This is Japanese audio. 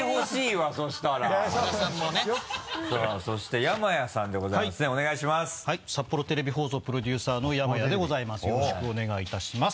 はい札幌テレビ放送プロデューサーの山谷でございます